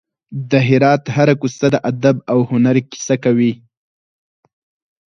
د هرات هره کوڅه د ادب او هنر کیسه کوي.